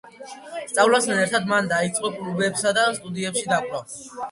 სწავლასთან ერთად, მან დაიყო კლუბებსა და სტუდიებში დაკვრა.